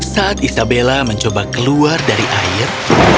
saat isabella mencoba keluar dari air